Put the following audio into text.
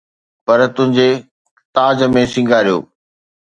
پر، تنهنجي تاج ۾ سينگاريو.